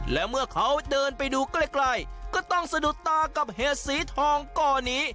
และเมื่อเขาเดินไปดูใกล้ก็ต้องสะดุดตากับเห็ดสีทองก่อนี้